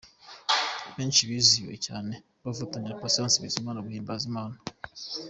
Benshi bizihiwe cyane bafatanya na Patient Bizimana guhimbaza Imana.